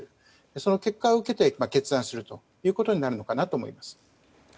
その結果を受けて決断するということになるのかなと思います。